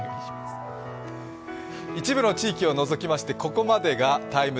一部の地域を除きましてここまでが「ＴＩＭＥ’」。